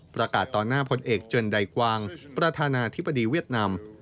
ประกาศต่อหน้าพลเอกจนใดกวางประธานาธิบดีเวียดนาม